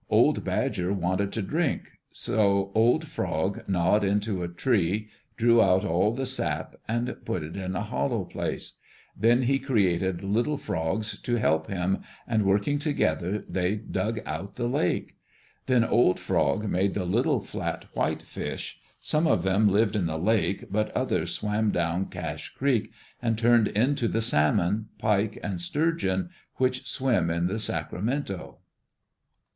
Old Badger wanted to drink, so Old Frog gnawed into a tree, drew out all the sap and put it in a hollow place. Then he created Little Frogs to help him, and working together they dug out the lake. Then Old Frog made the little flat whitefish. Some of them lived in the lake, but others swam down Cache Creek, and turned into the salmon, pike, and sturgeon which swim in the Sacramento.